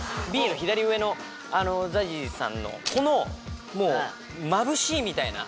Ｂの左上のＺＡＺＹさんのまぶしい！みたいな。